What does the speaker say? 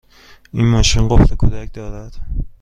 این ماشین قفل کودک دارد؟